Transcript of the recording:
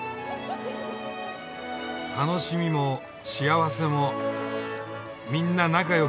楽しみも幸せもみんな仲良く分け合って。